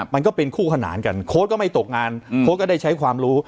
มันก็เป็นคู่ขนานกันโค้ดก็ไม่ตกงานโค้ดก็ได้ใช้ความรู้